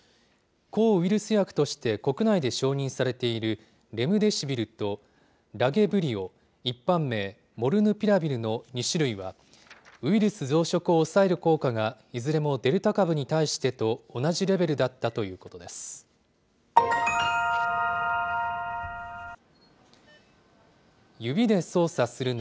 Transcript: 抗ウイルス薬として国内で承認されている、レムデシビルと、ラゲブリオ、一般名、モルヌピラビルの２種類は、ウイルス増殖を抑える効果がいずれもデルタ株に対してと同じレベルだったということです。